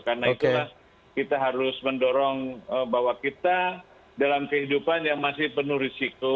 karena itulah kita harus mendorong bahwa kita dalam kehidupan yang masih penuh risiko